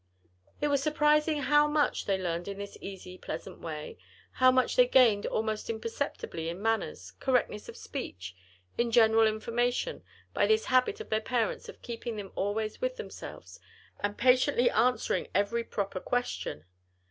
It was surprising how much they learned in this easy pleasant way, how much they gained almost imperceptibly in manners, correctness of speech, and general information, by this habit of their parents of keeping them always with themselves and patiently answering every proper question.